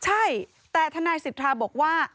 ใช่แต่ทนายสิทธาบอกว่า